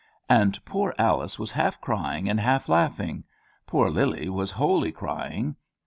And poor Alice was half crying and half laughing; poor Lillie was wholly crying.